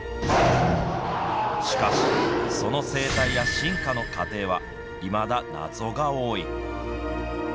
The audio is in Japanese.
しかし、その生態や進化の過程はいまだ謎が多い。